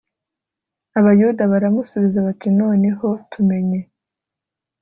Abayuda baramusubiza bati Noneho tumenye